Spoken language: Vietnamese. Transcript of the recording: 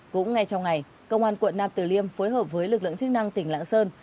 cũng ngay trong ngày công an quận nam tử liêm phối hợp với lực lượng chức năng tỉnh lạng sơn